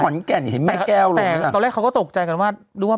ก็หอนแก่นอย่างงี้แม่แก้วลงนะฮะแต่ตอนแรกเขาก็ตกใจกันว่า